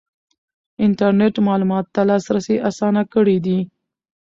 انټرنیټ معلوماتو ته لاسرسی اسانه کړی دی.